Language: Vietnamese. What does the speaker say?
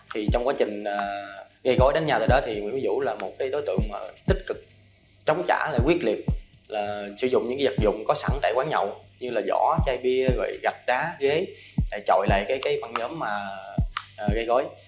thì trong quá trình gây gối đánh nhau tại đó thì nguyễn phi vũ là một đối tượng tích cực chống trả quyết liệt sử dụng những dạc dụng có sẵn tại quán nhậu như là giỏ chai bia gạch đá ghế để trọi lại cái băng nhóm gây gối